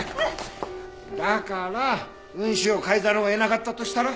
だから運指を変えざるを得なかったとしたら？